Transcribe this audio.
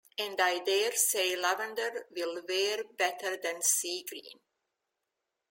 And I dare say lavender will wear better than sea-green.